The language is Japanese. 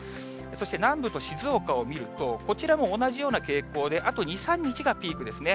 そして南部と静岡を見ると、こちらも同じような傾向で、あと２、３日がピークですね。